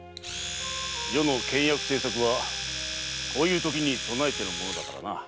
余の倹約政策はこういうときに備えてのものだからな。